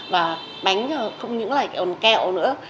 và bánh không những là bánh kẹo nữa